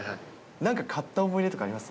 なんか買った思い出とかあります？